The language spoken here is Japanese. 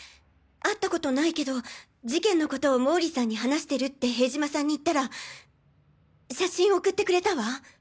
会ったことないけど事件のこと毛利さんに話してるって塀島さんに言ったら写真を送ってくれたわ。